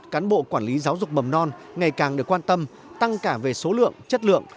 cán bộ quản lý giáo dục mầm non ngày càng được quan tâm tăng cả về số lượng chất lượng